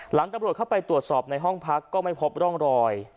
ตำรวจเข้าไปตรวจสอบในห้องพักก็ไม่พบร่องรอย